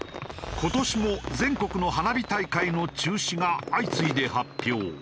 今年も全国の花火大会の中止が相次いで発表。